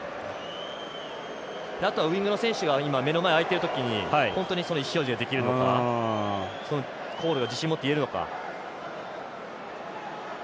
あとはウイングの選手が目の前空いてるときに本当にそのコールを自信、持って言えるのか。